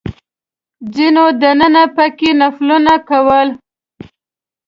ځینو دننه په کې نفلونه کول.